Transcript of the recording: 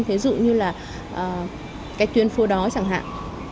thế dụ như là cái tuyên phố đó chẳng hạn